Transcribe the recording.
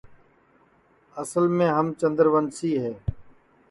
اصل میں ہم چندروسی ہے